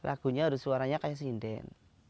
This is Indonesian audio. lagunya harus suaranya kayak sinden